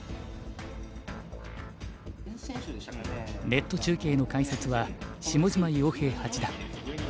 ネット中継の解説は下島陽平八段。